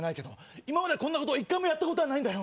今までこんなことは一回もやったことはないんだよ